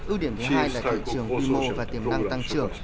ưu điểm thứ hai là thị trường quy mô và tiềm năng tăng trưởng